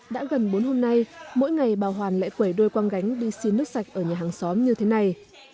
đã gần bốn hôm nay mỗi ngày bà hoàn lại quẩy đôi quang gánh đi xin nước sạch ở nhà hàng xóm như thế này